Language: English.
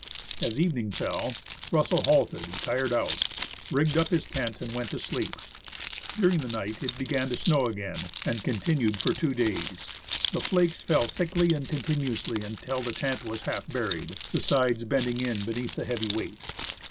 As evening fell, Russell halted, tired out, rigged up his tent and went to sleep. During the night, it began to snow again, and continued for two days. The flakes fell thickly and continuously until the tent was half buried, the sides bending in beneath the heavy weight.